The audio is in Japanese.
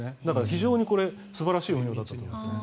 非常にこれ素晴らしい運用だったと思いますね。